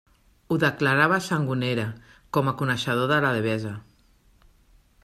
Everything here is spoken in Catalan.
Ho declarava Sangonera, com a coneixedor de la Devesa.